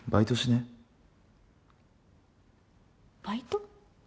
バイト？